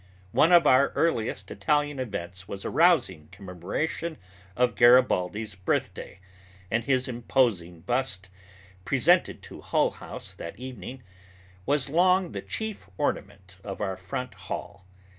One of our earliest Italian events was a rousing commemoration of Garibaldi's birthday, and his imposing bust, presented to Hull House that evening, was long the chief ornament of our front hall.